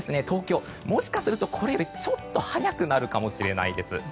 東京、もしかするとこれよりちょっと早くなるかもしれないです。